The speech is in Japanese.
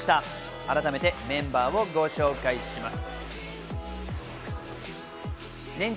改めてメンバーをご紹介します。